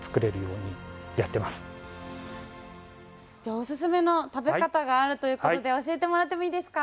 おススメの食べ方があるということで教えてもらってもいいですか。